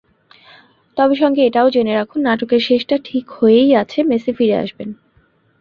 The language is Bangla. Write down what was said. তবে সঙ্গে এটাও জেনে রাখুন, নাটকের শেষটা ঠিক হয়েই আছে—মেসি ফিরে আসবেন।